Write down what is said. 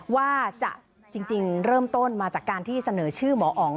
ว่าจะจริงเริ่มต้นมาจากการที่เสนอชื่อหมออ๋อง